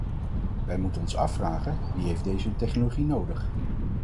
Wij moeten ons afvragen: wie heeft deze technologie nodig?